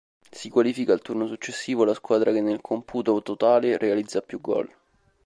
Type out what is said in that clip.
Si qualifica al turno successivo la squadra che nel computo totale realizza più gol.